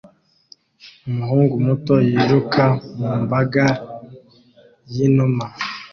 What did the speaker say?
Umuhungu muto yiruka mu mbaga y'inuma